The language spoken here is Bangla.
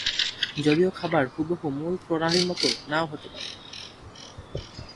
যদিও খাবার হুবহু মূল প্রণালীর মত নাও হতে পারে।